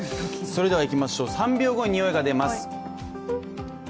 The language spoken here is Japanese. それではいきましょう、３秒後ににおいが出ます。